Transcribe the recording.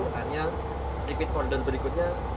akhirnya tipis order berikutnya